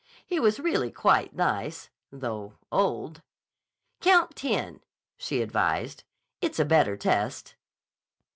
He was really quite nice—though old. "Count ten," she advised. "It's a better test."